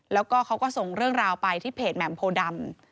แล้วก็เขาก็ส่งเรื่องราวไปที่เพจแหม่มโพดำ